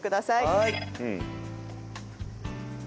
はい。